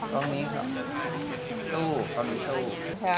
ธรรมชาติ